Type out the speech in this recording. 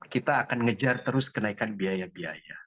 kita akan ngejar terus kenaikan biaya biaya